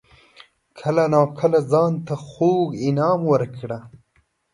کله ناکله ځان ته خوږ انعام ورکړه.